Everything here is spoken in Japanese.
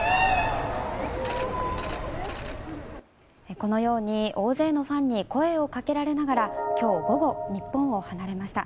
このように、大勢のファンに声をかけられながら今日午後、日本を離れました。